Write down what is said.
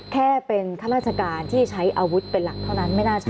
แค่เป็นข้าราชการที่ใช้อาวุธเป็นหลักเท่านั้นไม่น่าใช้